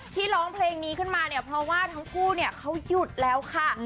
ร้องเพลงนี้ขึ้นมาเนี่ยเพราะว่าทั้งคู่เนี่ยเขาหยุดแล้วค่ะ